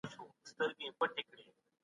ځینو لیکوالانو د سیاست په اړه لیکنې کړې وې.